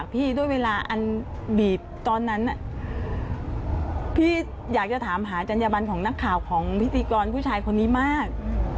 พี่ด้วยเวลาอันบีบตอนนั้นพี่อยากจะถามหาจัญญบันของนักข่าวของพิธีกรผู้ชายคนนี้มาก